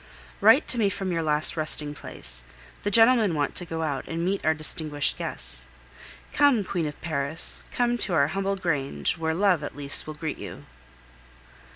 Write to me from your last resting place. The gentlemen want to go and meet our distinguished guests. Come, Queen of Paris, come to our humble grange, where love at least will greet you!